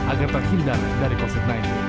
agar terhindar dari covid sembilan belas